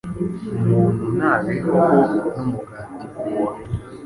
Umuntu ntabehwaho numugati gua,